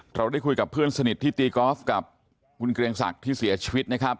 เราได้คุยกับเพื่อนสนิทที่ตีกอล์ฟกับคุณเกรียงศักดิ์ที่เสียชีวิตนะครับ